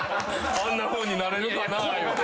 あんなふうになれるかないうて。